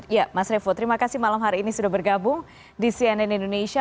ya mas revo terima kasih malam hari ini sudah bergabung di cnn indonesia